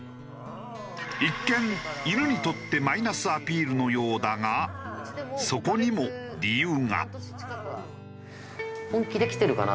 一見犬にとってマイナスアピールのようだがそこにも理由が。